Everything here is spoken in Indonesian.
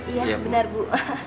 iya benar bu